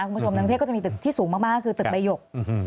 คุณผู้ชมว่าในกรุงเทพฯคุณจะมีตึกสูงมากคือตึกบายก